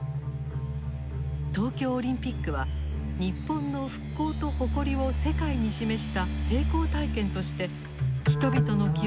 東京オリンピックは日本の復興と誇りを世界に示した成功体験として人々の記憶に刻まれることとなった。